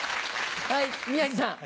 はい宮治さん。